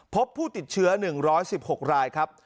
พบผู้ติดเชื้อ๑๑๖รายครับ